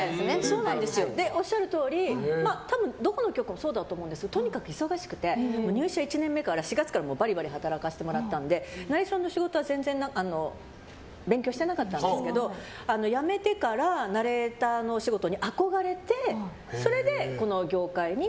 おっしゃるとおり多分、どこの局もそうだと思うんですけどとにかく忙しくて入社１年目４月からバリバリ働かせてもらったのでナレーションの仕事は全然勉強してなかったんですけど辞めてからナレーターのお仕事に憧れて、この業界に。